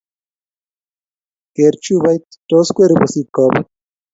Ker chupoit, tos kwer pusit koput.